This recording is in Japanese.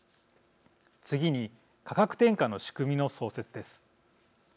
次に価格転嫁の仕組みの創設です。